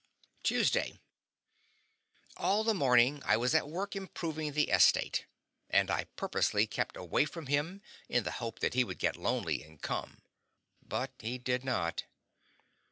TUESDAY. All the morning I was at work improving the estate; and I purposely kept away from him in the hope that he would get lonely and come. But he did not.